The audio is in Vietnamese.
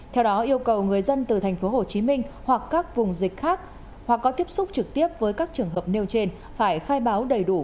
theo đó yêu cầu người dân từ thành phố hồ chí minh hoặc các vùng dịch khác hoặc có tiếp xúc trực tiếp với các trường hợp nêu trên phải khai báo đầy đủ